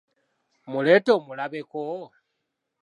Mmuleete omulabe ko?